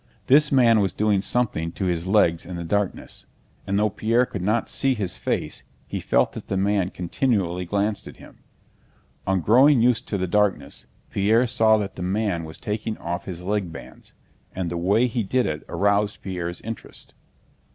This man was doing something to his legs in the darkness, and though Pierre could not see his face he felt that the man continually glanced at him. On growing used to the darkness Pierre saw that the man was taking off his leg bands, and the way he did it aroused Pierre's interest.